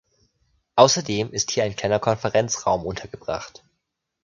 Außerdem ist hier ein kleiner Konferenzraum untergebracht.